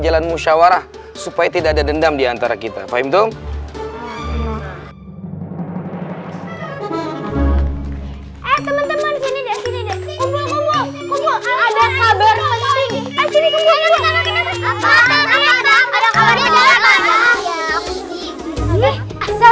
jalan musyawarah supaya tidak ada dendam diantara kita fahim dong eh teman teman sini deh sini deh